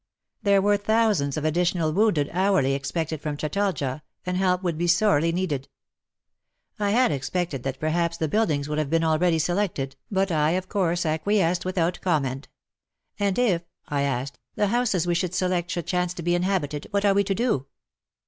There were thousands of additional wounded hourly expected from Chatalja, and help would be sorely needed. I had expected that perhaps the buildings would have been already selected, but I of loo WAR AND WOMEN course acquiesced without comment. " And if," I asked, '* the houses we should select should chance to be inhabited — what are we to do